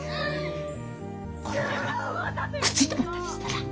このままくっついてまったりしてな！